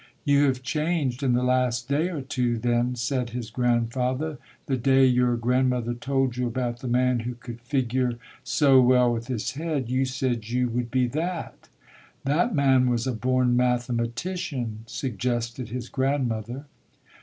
"You have changed in the last day or two, then", said his grandfather. "The day your grand mother told you about the man who could figure so well with his head, you said you would be that". "That man was a born mathematician", sug gested his grandmother.